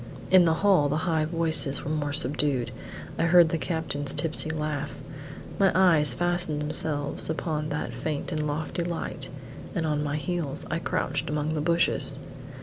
In the hall the high voices were more subdued. I heard the captain's tipsy laugh. My eyes fastened themselves upon that faint and lofty light, and on my heels I crouched among the bushes.